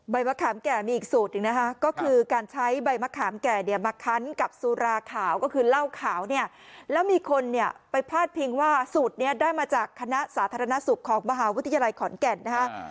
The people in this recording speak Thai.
มะขามแก่มีอีกสูตรหนึ่งนะคะก็คือการใช้ใบมะขามแก่เนี่ยมาคั้นกับสุราขาวก็คือเหล้าขาวเนี่ยแล้วมีคนเนี่ยไปพาดพิงว่าสูตรนี้ได้มาจากคณะสาธารณสุขของมหาวิทยาลัยขอนแก่นนะฮะ